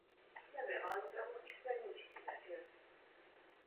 V rámci rozvoje dospívajících členů pořádá středisko Blaník i vzdělávací a výchovné akce.